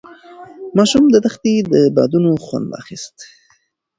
ماشوم د دښتې د بادونو خوند اخیست.